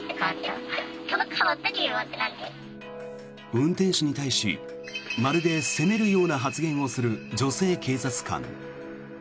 運転手に対しまるで責めるような発言をする女性警察官。